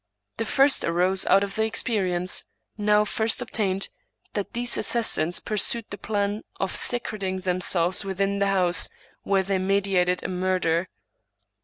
The first arose out of the experience, now first obtained, that these assassins pursued the plan of secreting themselves within the house where they meditated a murder.